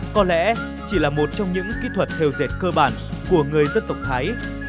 có lẽ chỉ là một trong những kỹ thuật theo dệt cơ bản của người dân tộc thái